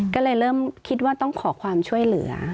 ก็เลยเริ่มคิดว่าต้องขอความช่วยเหลือ